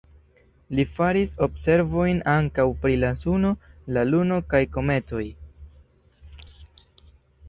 Li faris observojn ankaŭ pri la Suno, la Luno kaj kometoj.